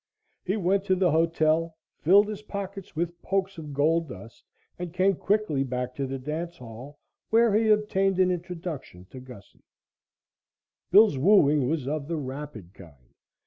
He went to the hotel, filled his pockets with pokes of gold dust and came quickly back to the dance hall, where he obtained an introduction to Gussie. Bill's wooing was of the rapid kind.